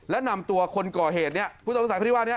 และนำตัวคนก่อเหตุนี้พุทธงศักดิ์ศักดิ์ว่านี้